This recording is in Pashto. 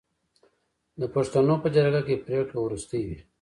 د پښتنو په جرګه کې پریکړه وروستۍ وي.